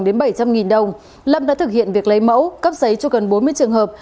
đến bảy trăm linh đồng lâm đã thực hiện việc lấy mẫu cấp giấy cho gần bốn mươi trường hợp